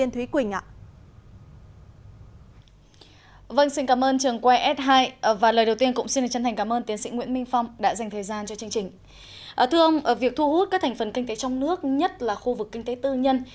thưa ông việc thu hút các thành phần kinh tế trong nước nhất là khu vực kinh tế tư nhân